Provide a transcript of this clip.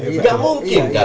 enggak mungkin kan